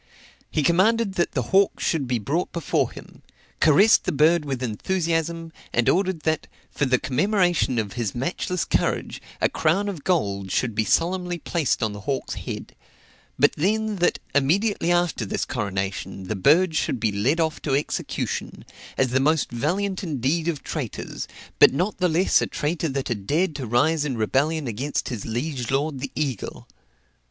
He commanded that the hawk should be brought before him; caressed the bird with enthusiasm, and ordered that, for the commemoration of his matchless courage, a crown of gold should be solemnly placed on the hawk's head; but then that, immediately after this coronation, the bird should be led off to execution, as the most valiant indeed of traitors, but not the less a traitor that had dared to rise in rebellion against his liege lord the eagle.